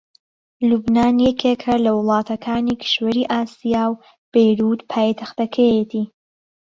لوبنان یەکێکە لە وڵاتەکانی کیشوەری ئاسیا و بەیرووت پایتەختەکەیەتی